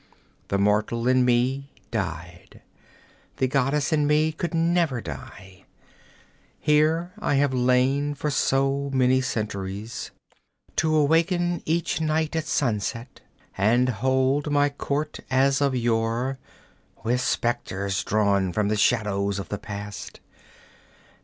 The mortal in me died; the goddess in me could never die. Here I have lain for so many centuries, to awaken each night at sunset and hold my court as of yore, with specters drawn from the shadows of the past.